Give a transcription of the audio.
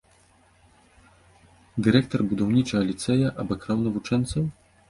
Дырэктар будаўнічага ліцэя абакраў навучэнцаў?